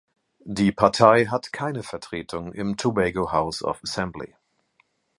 Die Partei hat keine Vertretung im Tobago House of Assembly.